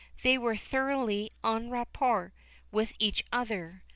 They were thoroughly en rapport with each other.